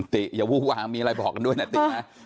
ติอย่าวูบวามีอะไรบอกกันด้วยนะตินะ